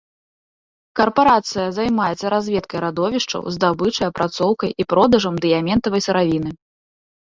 Карпарацыя займаецца разведкай радовішчаў, здабычай, апрацоўкай і продажам дыяментавай сыравіны.